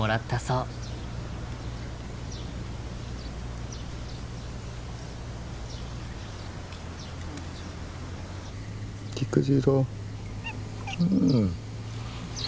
うん。